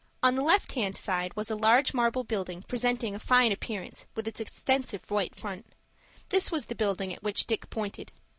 On the left hand side was a large marble building, presenting a fine appearance with its extensive white front. This was the building at which Dick pointed.